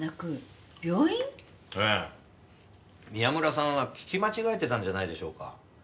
宮村さんは聞き間違えてたんじゃないでしょうか？